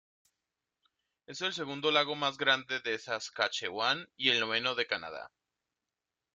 Es el segundo lago más grande de Saskatchewan y el noveno de Canadá.